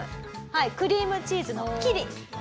はいクリームチーズのＫｉｒｉ。